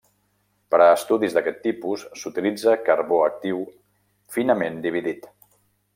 Per a estudis d'aquest tipus s'utilitza carbó actiu finament dividit.